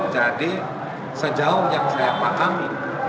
sejauh yang saya pahami